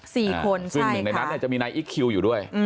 ซึ่งหนึ่งในนั้นจะมีนายอิคคิวอยู่ด้วย